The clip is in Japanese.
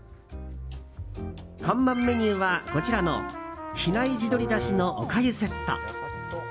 看板メニューは、こちらの比内地鶏出汁のお粥セット。